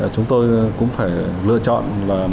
chúng tôi cũng phải lựa chọn